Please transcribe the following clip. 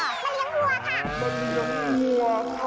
ไปเลี้ยงวัวค่ะ